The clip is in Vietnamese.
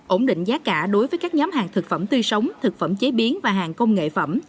ổn định giá cả đối với các nhóm hàng thực phẩm tươi sống thực phẩm chế biến và hàng công nghệ phẩm